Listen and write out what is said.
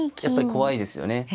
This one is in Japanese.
やっぱり怖いですよね。